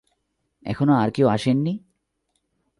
এখনো আর কেউ আসেন নি?